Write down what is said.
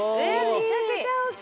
めちゃくちゃ大きい！